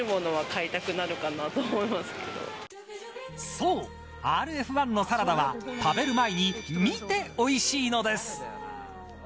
そう、ＲＦ−１のサラダは食べる前に見ておいしいのです。